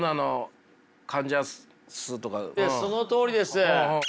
ええそのとおりです。